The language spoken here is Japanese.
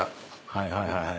はいはいはいはい。